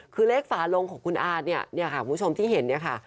คือเลขฝาลงของคุณอาเนี่ยค่ะคุณผู้ชมที่เห็นเนี่ยค่ะ